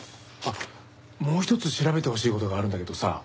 あっもう一つ調べてほしい事があるんだけどさ。